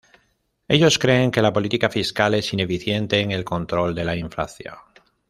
Ellos creen que la Política Fiscal es ineficiente en el control de la inflación.